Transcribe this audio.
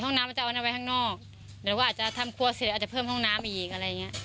ห้องน้ำมันจะเอาน้ำไว้ข้างนอกหรือว่าอาจจะทำครัวเสร็จอาจจะเพิ่มห้องน้ำอีกอะไรอย่างเงี้ย